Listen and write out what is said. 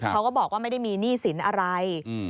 เขาก็บอกว่าไม่ได้มีหนี้สินอะไร